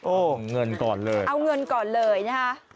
โอ้โหเงินก่อนเลยเอาเงินก่อนเลยนะคะ